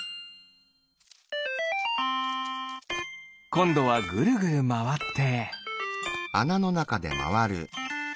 こんどはぐるぐるまわって。